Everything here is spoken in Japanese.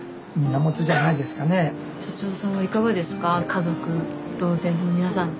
家族同然の皆さんと。